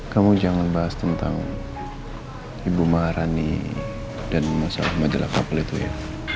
kamu jangan bahas tentang ibu marani dan masalah majalah kapal itu ya